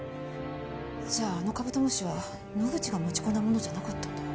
じゃああのカブトムシは野口が持ち込んだものじゃなかったんだ。